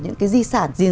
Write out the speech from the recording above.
những cái di sản